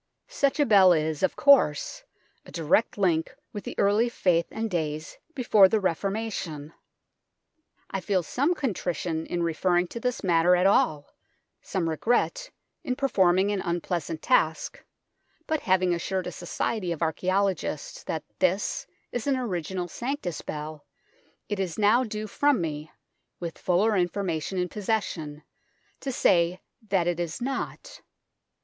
Such a bell is, of course, a direct link with the early faith and days before the Reformation. I feel some contrition 237 in referring to this matter at all, some regret in performing an unpleasant task, but having assured a society of archaeologists that this is an original Sanctus Bell, it is now due from me, with fuller information in possession, to say that it is not.